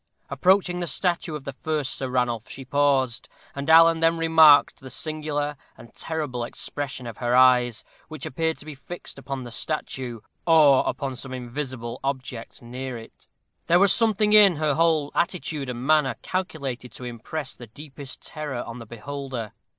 Approaching the statue of the first Sir Ranulph, she paused, and Alan then remarked the singular and terrible expression of her eyes, which appeared to be fixed upon the statue, or upon some invisible object near it. There was something in her whole attitude and manner calculated to impress the deepest terror on the beholder.